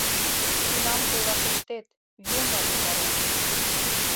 Тунам тый вашештет: «Юмо утарен».